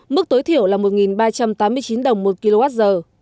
mức tối thiểu là một ba trăm tám mươi chín đồng một kwh